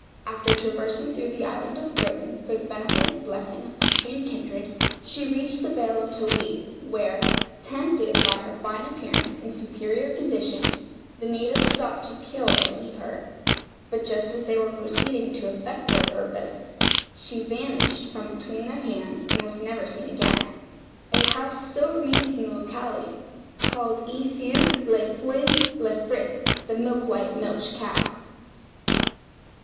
After traversing through the island of Britain, for the benefit and blessing of country and kindred, she reached the Vale of Towy; where, tempted by her fine appearance and superior condition, the natives sought to kill and eat her; but just as they were proceeding to effect their purpose, she vanished from between their hands, and was never seen again. A house still remains in the locality, called Y Fuwch Laethwen Lefrith (The Milk white Milch Cow.)'